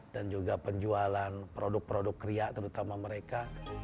dan juga penjualan produk produk kriak terutama mereka